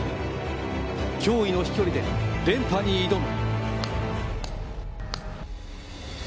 驚異の飛距離で連覇に挑む。